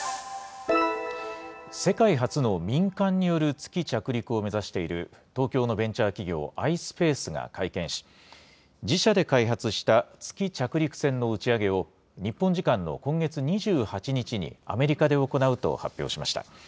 世界初の民間による月着陸を目指している東京のベンチャー企業、ｉｓｐａｃｅが会見し、自社で開発した月着陸船の打ち上げを、日本時間の今月２８日に、アメリカで行うと発表しました。